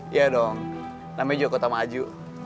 iya dong namanya jokotama aju